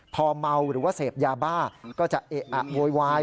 พอเมาหรือว่าเสพยาบ้าก็จะเอะอะโวยวาย